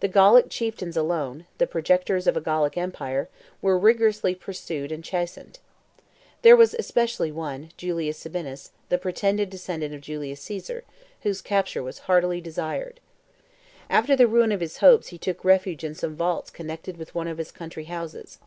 The Gallic chieftains alone, the projectors of a Gallic empire, were rigorously pursued and chastised. There was especially one, Julius Sabinus, the pretended descendant of Julius Caesar, whose capture was heartily desired. After the ruin of his hopes he took refuge in some vaults connected with one of his country houses.